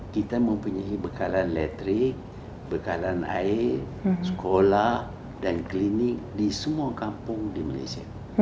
kita mempunyai bekalan elektrik bekalan air sekolah dan klinik di semua kampung di malaysia